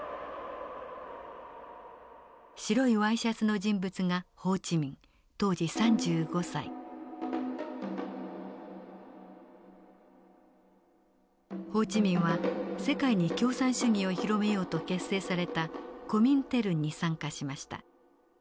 白いワイシャツの人物がホー・チ・ミンは世界に共産主義を広めようと結成されたコミンテルンに参加しました。